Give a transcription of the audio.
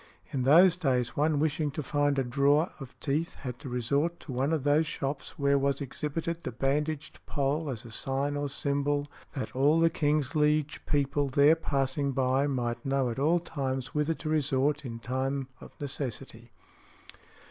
In those days one wishing to find a drawer of teeth had to resort to one of those shops where was exhibited the bandaged pole as a sign or symbol that "all the King's liege people there passing by might know at all times whither to resort in time of necessity."